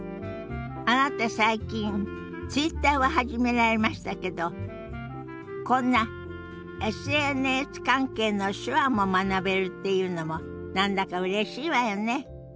あなた最近Ｔｗｉｔｔｅｒを始められましたけどこんなＳＮＳ関係の手話も学べるっていうのも何だかうれしいわよね。